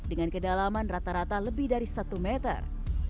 dengan kedalaman rata rata lebih dari satu meter